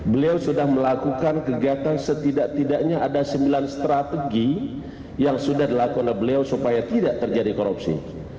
beliau sudah melakukan kegiatan setidak tidaknya ada sembilan strategi yang sudah dilakukan oleh beliau supaya tidak terjadi korupsi